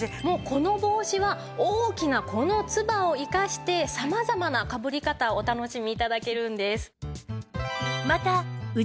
この帽子は大きなこのツバを生かして様々なかぶり方をお楽しみ頂けるんです。